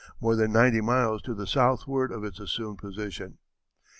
more than ninety miles to the southward of its assumed position.